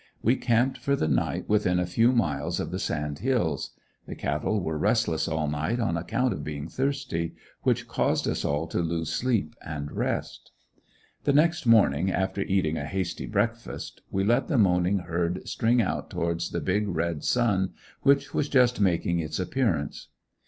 We camped for the night within a few miles of the sand hills. The cattle were restless all night, on account of being thirsty, which caused us all to lose sleep and rest. The next morning, after eating a hasty breakfast, we let the moaning herd string out towards the big red sun which was just making its appearance.